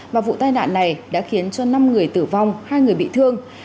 và vụ tai nạn này đã khiến cho năm người tử vong hai người bị thương